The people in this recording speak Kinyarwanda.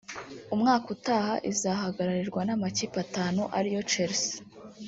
umwaka utaha izahagararirwa n’amakipe atanu ariyo Chelsea